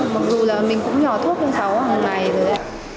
mặc dù là mình cũng nhỏ thốt hơn cháu hằng ngày rồi